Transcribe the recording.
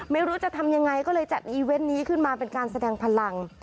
ไม่รู้จะทำยังไงก็เลยจัดอีเวนต์นี้ขึ้นมาเป็นการแสดงพลัง